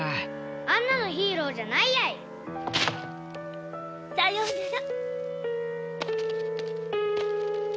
あんなのヒーローじゃないやい！さようなら。